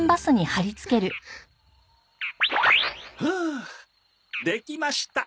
ふうできました！